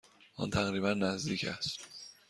آن تقریبا نزدیک است.